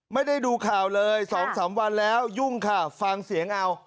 ไม่ได้ดูข่าวเลย๒๓วันแล้วยุ่งค่ะฟังเสียงเอา